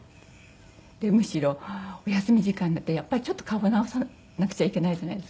むしろお休み時間になったらやっぱりちょっと顔直さなくちゃいけないじゃないですか。